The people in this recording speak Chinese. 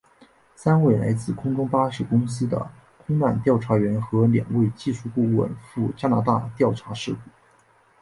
三位来自空中巴士公司的空难调查员和两位技术顾问赴加拿大调查事故。